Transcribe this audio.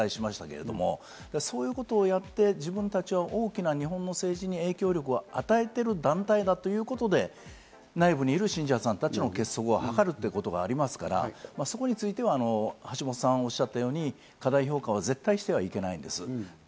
外務省にも取材しましたけど、そういうことをやって自分たちが大きな日本の政治に影響力を与えている団体だということで、内部にいる信者さんたちの結束を図るということがありますから、そこについては橋本さんがおっしゃったように、過大評価は絶対にしてはいけないんです。